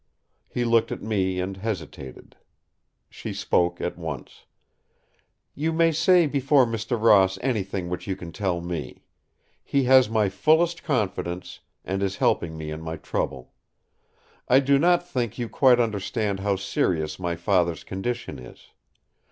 He looked at me and hesitated. She spoke at once: "You may say before Mr. Ross anything which you can tell me. He has my fullest confidence, and is helping me in my trouble. I do not think you quite understand how serious my Father's condition is.